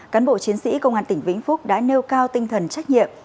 cán bộ chiến sĩ công an tỉnh vĩnh phúc đã nêu cao tinh thần trách nhiệm